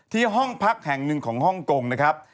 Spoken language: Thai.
ห้องพักแห่งหนึ่งของฮ่องกงนะครับ